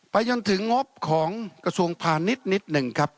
จนถึงงบของกระทรวงพาณิชย์นิดหนึ่งครับ